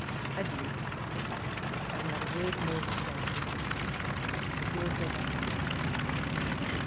Adieu ! I have not a word more to say to you. Yours ever.